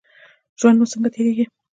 ژوند مو څنګه تیریږي؟